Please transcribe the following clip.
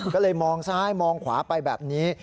ก็เลยมองซ้ายมองขวาไปแบบนี้